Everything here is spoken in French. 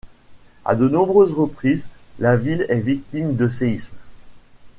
À de nombreuses reprises la ville est victime de séismes.